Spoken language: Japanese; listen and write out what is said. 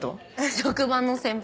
職場の先輩。